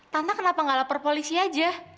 tante kenapa gak lapor polisi aja